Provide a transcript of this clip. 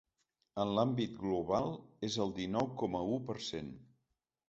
En l’àmbit global, és del dinou coma u per cent.